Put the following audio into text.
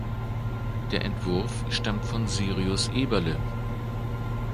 Der Entwurf stammt von Syrius Eberle.